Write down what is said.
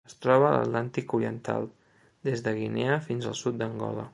Es troba a l'Atlàntic oriental: des de Guinea fins al sud d'Angola.